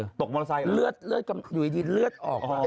ตกมอเตอร์ไซค์เลือดอยู่ดีเลือดออก